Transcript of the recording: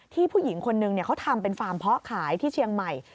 ผู้หญิงคนนึงเขาทำเป็นฟาร์มเพาะขายที่เชียงใหม่